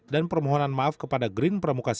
dan permohonan maaf kepada green pramuka city